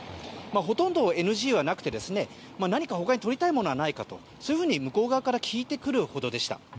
ほとんどＮＧはなくて何か他に撮りたいものはないかとそういうふうに向こう側から聞いてくるほどでした。